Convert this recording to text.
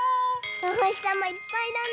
おほしさまいっぱいだね。